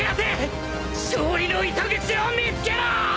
勝利の糸口を見つけろ！！